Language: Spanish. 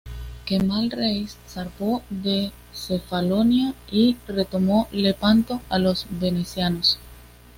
Kemal Reis zarpó de Cefalonia y retomó Lepanto a los venecianos.